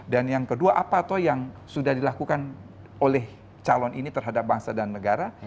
dan yang kedua apa yang sudah dilakukan oleh calon ini terhadap bangsa dan negara